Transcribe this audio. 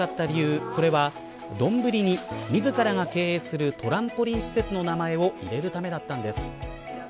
理由それはどんぶりに自らが経営するトランポリン施設の名前を入れるためだったんです。